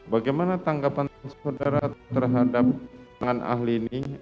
bagaimana tanggapan saudara terhadap tangan ahli ini